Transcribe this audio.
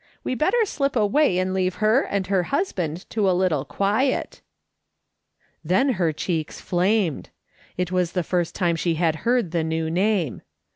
We better slip away and leave her and her husband to a little quiet." Then her cheeks flamed. It was the first time she had heard the new name.